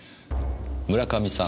村上さん